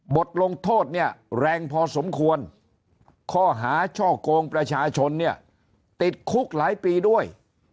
บทลงโทษเนี่ยแรงพอสมควรข้อหาช่อกงประชาชนเนี่ยติดคุกหลายปีด้วย